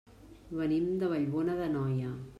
Venim de Vallbona d'Anoia.